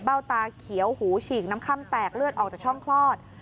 ตาเขียวหูฉีกน้ำค่ำแตกเลือดออกจากช่องคลอด